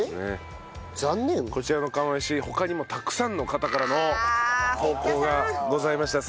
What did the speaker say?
こちらの釜飯他にもたくさんの方からの投稿がございました。